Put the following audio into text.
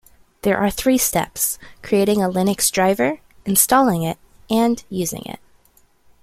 There are three steps: Creating a Linux driver, installing it and using it.